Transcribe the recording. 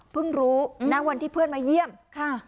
เพิ่งรู้หน้าวันที่เพื่อนมาเยี่ยมค่ะ